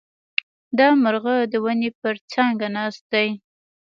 دا مرغه د ونې پر څانګه ناست دی.